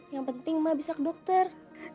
yang penting ma bisa ke dokter